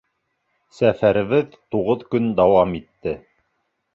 Сәфәребеҙ туғыҙ көн дауам итте.